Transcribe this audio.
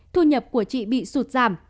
thu nhập của chị bị sụt giảm